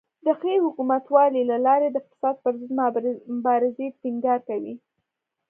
د ښې حکومتولۍ له لارې د فساد پر ضد مبارزې ټینګار کوي.